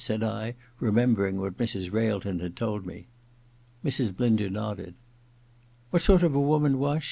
' said I, remembering what Mrs. Railton had told me. Mrs. Blinder nodded. • What sort of woman was she